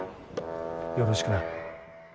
よろしくな。